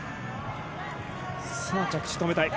さあ、着地止めたい。